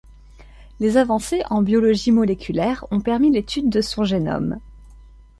Les avancées en biologie moléculaire ont permis l'étude de son génome.